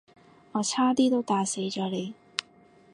我差啲都打死咗你